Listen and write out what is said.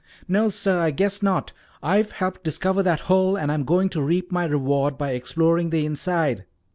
"No, sir, I guess not! I've helped discover that hole and I'm going to reap my reward by exploring the inside."